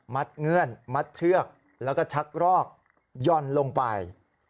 เงื่อนมัดเชือกแล้วก็ชักรอกย่อนลงไป